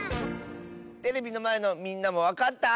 テレビのまえのみんなもわかった？